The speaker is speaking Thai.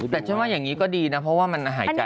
แต่ฉันว่าอย่างนี้ก็ดีนะเพราะว่ามันหายใจ